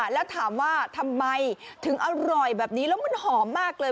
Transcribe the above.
แล้วถามว่าทำไมถึงอร่อยแบบนี้แล้วมันหอมมากเลย